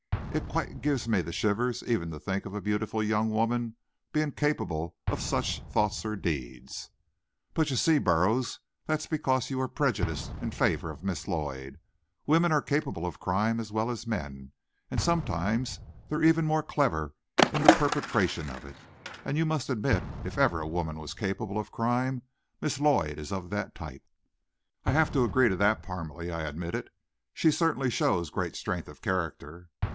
It quite gives me the shivers even to think of a beautiful young woman being capable of such thoughts or deeds." "But, you see, Burroughs, that's because you are prejudiced in favor of Miss Lloyd. Women are capable of crime as well as men, and sometimes they're even more clever in the perpetration of it. And you must admit if ever a woman were capable of crime, Miss Lloyd is of that type." "I have to agree to that, Parmalee," I admitted; "she certainly shows great strength of character."